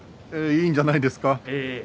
いいんじゃないですか。